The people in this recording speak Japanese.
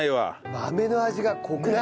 豆の味が濃くない？